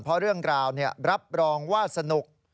เพราะเรื่องราวรับรองว่าสนุก